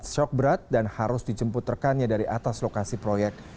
shock berat dan harus dijemput rekannya dari atas lokasi proyek